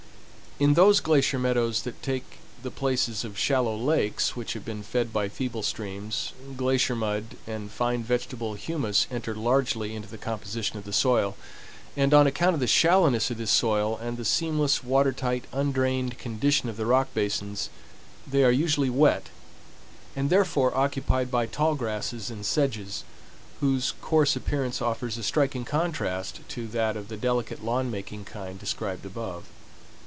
In those glacier meadows that take the places of shallow lakes which have been fed by feeble streams, glacier mud and fine vegetable humus enter largely into the composition of the soil; and on account of the shallowness of this soil, and the seamless, water tight, undrained condition of the rock basins, they are usually wet, and therefore occupied by tall grasses and sedges, whose coarse appearance offers a striking contrast to that of the delicate lawn making kind described above.